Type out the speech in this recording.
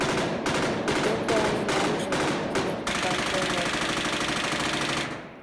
Кузе куаненамже тиде книгам пуыметлан.